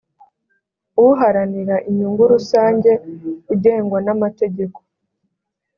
uharanira inyungu rusange ugengwa n amategeko